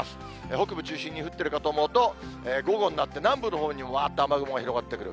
北部中心に降ってるかと思うと、午後になって南部のほうにもわーっと雨雲が広がってくる。